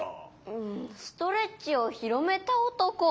うんストレッチをひろめたおとこ。